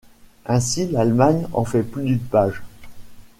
Ainsi, l'Allemagne en fait plus d'une page.